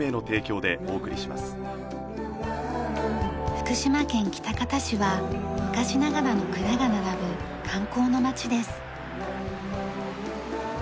福島県喜多方市は昔ながらの蔵が並ぶ観光の街です。